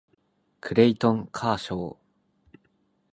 クレイトン・カーショー